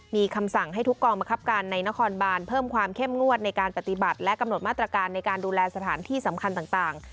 มีคำสั่งให้ทุกกองบังคับการในนครบานเพิ่มความเข้มงวดในการปฏิบัติและกำหนดมาตรการในการดูแลสถานที่สำคัญต่าง